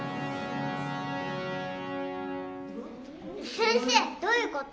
先生どういうこと？